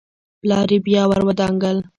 پلار يې بيا ور ودانګل.